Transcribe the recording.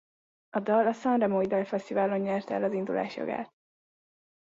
A dal a sanremói dalfesztiválon nyerte el az indulás jogát.